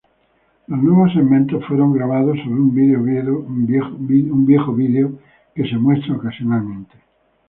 Los nuevos segmentos fueron grabados sobre un viejo vídeo que es mostrado ocasionalmente.